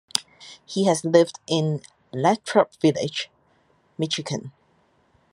He has lived in Lathrup Village, Michigan.